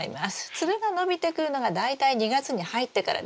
つるが伸びてくるのが大体２月に入ってからです。